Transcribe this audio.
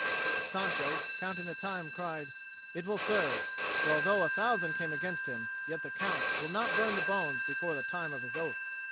But Sancho, counting the time, cried, "It will serve! For although a thousand came against him, yet the Count will not burn the bones before the time of his oath."